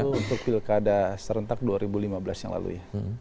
untuk pilkada serentak dua ribu lima belas yang lalu ya